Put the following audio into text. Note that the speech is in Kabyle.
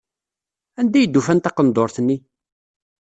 Anda ay d-ufan taqendurt-nni?